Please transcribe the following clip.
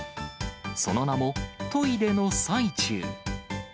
その名も、トイレの最中。